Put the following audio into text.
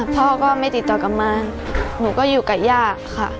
พ่อก็ไม่ติดต่อกลับมาหนูก็อยู่กับย่าค่ะ